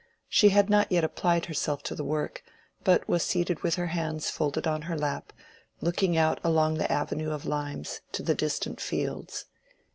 She had not yet applied herself to her work, but was seated with her hands folded on her lap, looking out along the avenue of limes to the distant fields.